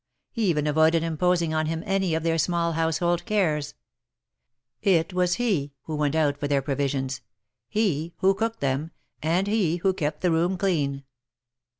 He even avoided imposing on him any of their small household cares. It was he who went out for their 4 62 THE MAEKETS OF PARIS. provisions — he who cooked them — and he who kept the room clean.